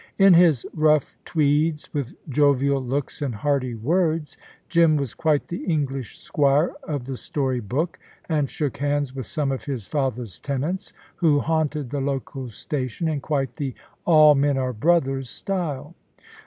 In his rough tweeds, with jovial looks and hearty words, Jim was quite the English squire of the story book, and shook hands with some of his father's tenants who haunted the local station in quite the "all men are brothers" style.